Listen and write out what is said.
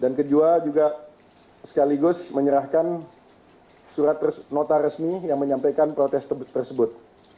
kedua juga sekaligus menyerahkan surat nota resmi yang menyampaikan protes tersebut